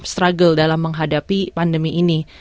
struggle dalam menghadapi pandemi ini